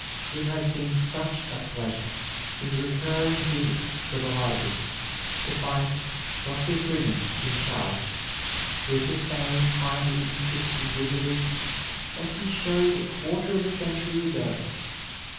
It has been such a pleasure in recurring visits to the library to find Dr. Brigham in charge, with the same kindly interest in visitors that he showed a quarter of a century ago.